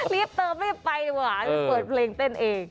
รีบเติมไปเปิดเพลงเต้นเอง